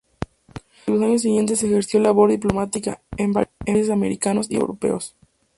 Durante los años siguientes ejerció labor diplomática, en varios países americanos y europeos.